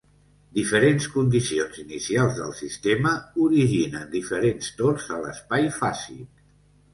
Diferents condicions inicials del sistema originen diferents tors a l'espai fàsic.